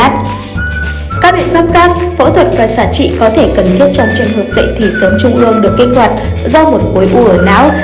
các biện pháp khác phẫu thuật và xả trị có thể cần thiết trong trường hợp dạy thi sớm trung ương được kết hoạt do một cối u ở não